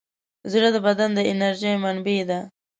زړه د بدن د انرژۍ منبع ده.